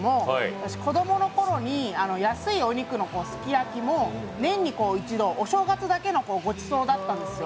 私、子供の頃に安いお肉の方のすき焼も年に一度、お正月だけのごちそうだったんですよ。